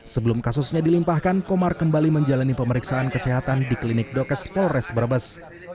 sebelum kasusnya dilimpahkan komar kembali menjalani pemeriksaan kesehatan di klinik dokes polres brebes